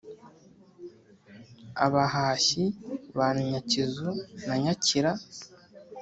Abahashyi, ba Nyakizu na Nyakira